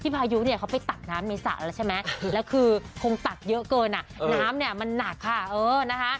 พายุเนี่ยเขาไปตักน้ำเมษะแล้วใช่ไหมแล้วคือคงตักเยอะเกินอ่ะน้ำเนี่ยมันหนักค่ะเออนะคะ